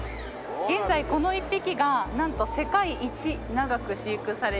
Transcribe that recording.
現在この１匹がなんと世界一長く飼育されているんです。